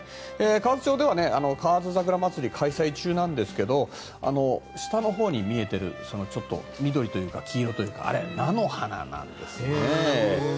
河津町では河津桜まつりが開催中ですが下のほうに見えている緑というか黄色というかあれ、菜の花なんです。